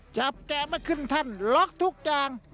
จับแขกไม่ขึ้นทันรอกทุกกลาง